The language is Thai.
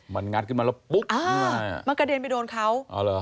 มันงัดกินมาแล้วปุ๊บมันกระเด็นไปโดนเขา